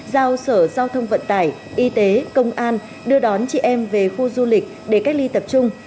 giao sở giao thông vận tải y tế công an đưa đón chị em về khu du lịch để cách ly tập trung